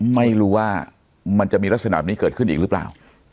ไม่รู้ว่ามันจะมีลักษณะแบบนี้เกิดขึ้นอีกหรือเปล่า